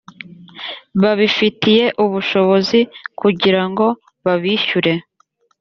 babifitiye ubushobozi kugira ngo babishyire